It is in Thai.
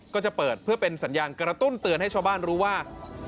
ก็จะเปิดเพื่อเป็นสัญญาณกระตุ้นเตือนให้ชาวบ้านรู้ว่า